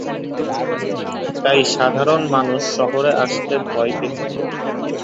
তাই সাধারণ মানুষ শহরে আসতে ভয় পেত।